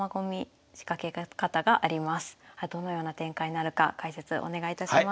どのような展開になるか解説お願いいたします。